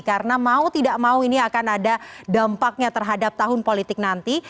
karena mau tidak mau ini akan ada dampaknya terhadap tahun politik nanti